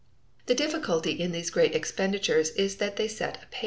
The difficulty in these great expenditures is that they set a pace.